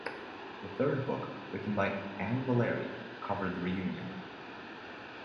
The third book, written by Anne Valery, covered the Reunion.